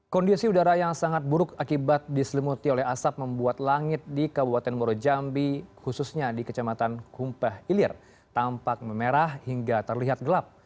kondisi udara yang sangat buruk akibat diselimuti oleh asap membuat langit di kabupaten muarajambi khususnya di kecamatan kumpah ilir tampak memerah hingga terlihat gelap